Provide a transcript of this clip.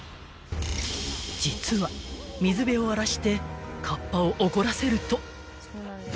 ［実は水辺を荒らしてカッパを怒らせると］